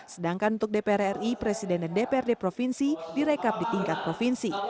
sedangkan untuk dpr ri presiden dan dprd provinsi direkap di tingkat provinsi